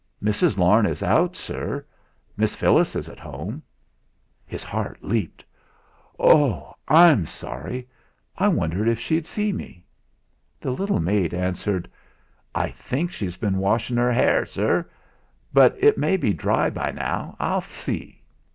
"Mrs. Larne is out, sir; Miss Phyllis is at home." His heart leaped. "Oh h! I'm sorry. I wonder if she'd see me?" The little maid answered "I think she's been washin' 'er'air, sir, but it may be dry be now. I'll see."